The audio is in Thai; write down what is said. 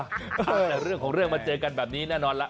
แต่เรื่องของเรื่องมาเจอกันแบบนี้แน่นอนแล้ว